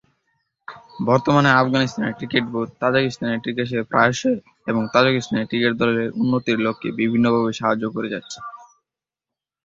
বর্তমানে Afghanistan cricket board, তাজিকিস্তানে ক্রিকেটের প্রসার এবং তাজিকিস্তান ক্রিকেট দলের উন্নতির লক্ষ্যে বিভিন্নভাবে সাহায্য করে যাচ্ছে।